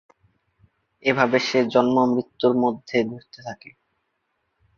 এভাবে সে জন্ম মৃত্যুর মধ্যে ঘুরতে থাকেন।